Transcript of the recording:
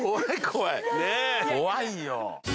怖いよ。